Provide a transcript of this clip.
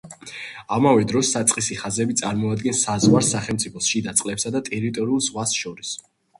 ამავე დროს საწყისი ხაზები წარმოადგენს საზღვარს სახელმწიფოს შიდა წყლებსა და ტერიტორიულ ზღვას შორის.